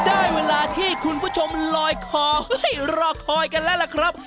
ได้เวลาที่คุณผู้ชมลอยคอรอคอยกันแล้วล่ะครับ